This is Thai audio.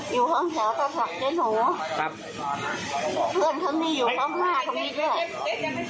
อยู่ห้องแถวก็จับเจ๊หนูครับ